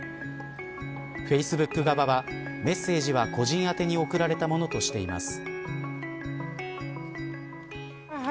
フェイスブック側はメッセージは個人宛てに送られたものとしています。